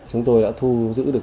chúng tôi đã thu giữ được